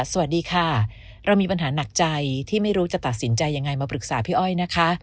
สวัสดีค่ะเรามีปัญหาหนักใจที่ไม่รู้จะตัดสินใจยังไงมาปรึกษาพี่อ้อยนะคะ